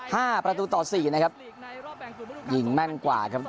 ห้าประตูต่อสี่นะครับยิงแม่นกว่าครับ